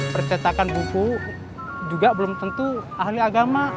percetakan buku juga belum tentu ahli agama